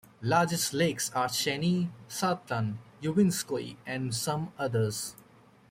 Largest lakes are Chany, Sartlan, Ubinskoye, and some others.